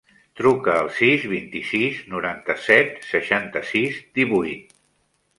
Truca al sis, vint-i-sis, noranta-set, seixanta-sis, divuit.